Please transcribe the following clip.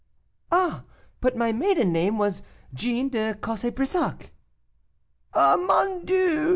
"Ah! but my maiden name was Jeanne de Cosse Brissac." "Ah, mon Dieu!"